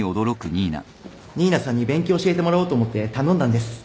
新名さんに勉強教えてもらおうと思って頼んだんです。